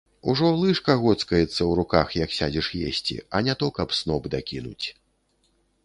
Ужо лыжка гоцкаецца ў руках, як сядзеш есці, а не то каб сноп дакінуць.